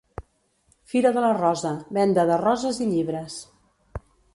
Fira de la Rosa, venda de roses i llibres.